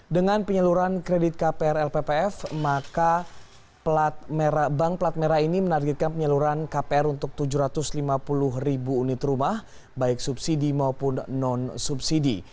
dengan penyaluran kredit kpr lppf maka bank plat merah ini menargetkan penyaluran kpr untuk tujuh ratus lima puluh ribu unit rumah baik subsidi maupun non subsidi